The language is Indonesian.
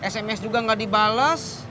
sms juga enggak dibales